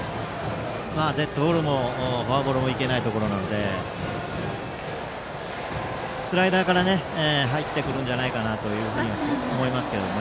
デッドボールもフォアボールもいけないところなのでスライダーから入ってくるんじゃないかと思います。